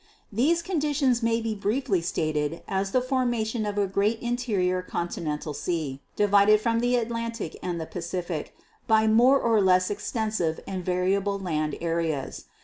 These conditions may be briefly stated as the formation of a great interior conti nental sea, divided from the Atlantic and the Pacific by more or less extensive and variable land areas.